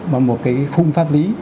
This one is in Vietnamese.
và một cái khung pháp lý